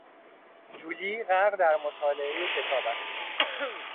جولی غرق در مطالعهی کتاب است.